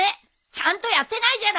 ちゃんとやってないじゃない！